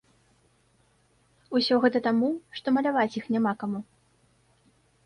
Усё гэта таму, што маляваць іх няма каму.